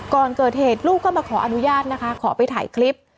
ก่อนเกิดเหตุลูกก็มาขออนุญาตนะคะขอไปถ่ายคลิป